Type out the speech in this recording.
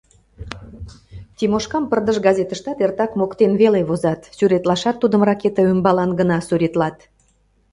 Тимошкам пырдыж газетыштат эртак моктен веле возат, сӱретлашат тудым ракете ӱмбалан гына сӱретлат.